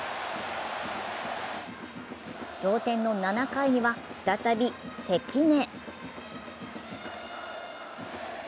同点の７回には再び関根。